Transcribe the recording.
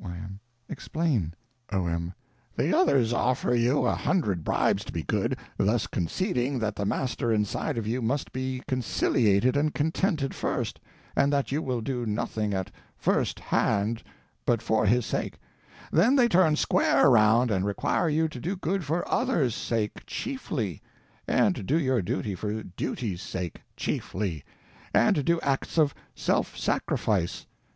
Y.M. Explain. O.M. The others offer you a hundred bribes to be good, thus conceding that the Master inside of you must be conciliated and contented first, and that you will do nothing at _first hand _but for his sake; then they turn square around and require you to do good for _other's _sake chiefly; and to do your duty for duty's sake, chiefly; and to do acts of self sacrifice.